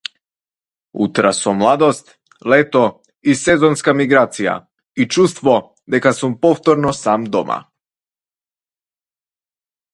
Утра со младост, лето и сезонска миграција, и чувство дека сум повторно сам дома.